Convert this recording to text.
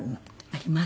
あります。